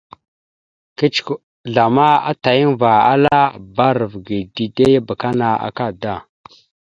Zlama atayaŋva ala: « Bba arav ge dide ya abakana akada, ».